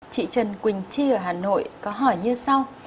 chị trần quỳnh chi ở hà nội có hỏi như sau